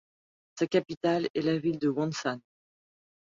Sa capitale est la ville de Wonsan.